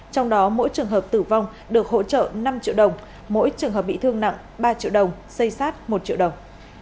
trong đó mỗi trường hợp tử vong được hỗ trợ năm triệu đồng mỗi trường hợp bị thương nặng ba triệu đồng xây sát một triệu đồng